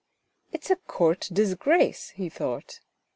" It is a court disgrace," he thought.